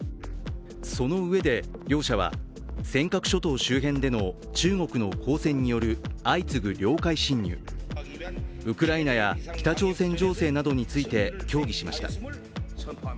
そのうえで両者は、尖閣諸島周辺での中国の公船による相次ぐ領海侵入、ウクライナや北朝鮮情勢などについて協議しました。